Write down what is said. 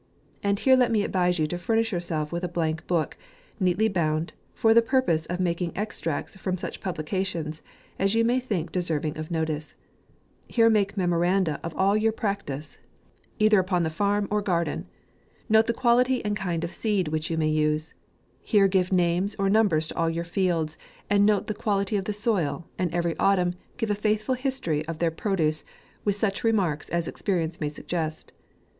And here let me advise you to furnish yourself with a blank book, neatly bound, for the purpose of making extracts from such publications as you may think deserving of notice. Here make memoranda of all your practice, either JANUARY 15 upon the farm or garden ; note the quality and kind of seed which you may use. Here give names or numbers to all your fields, and note the quality of the soil ; and every autumn give a faithful history of their pro duce, with such remarks as experience may suggest.